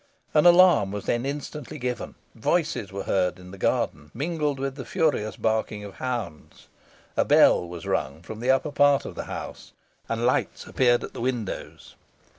An alarm was then instantly given, voices were heard in the garden, mingled with the furious barking of hounds. A bell was rung from the upper part of the house, and lights appeared at the windows.